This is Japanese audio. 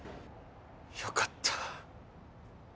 よかった。